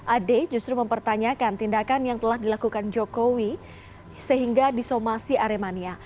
ade justru mempertanyakan tindakan yang telah dilakukan jokowi sehingga disomasi aremania